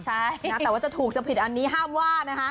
แต่ว่าจะถูกจะผิดอันนี้ห้ามว่านะคะ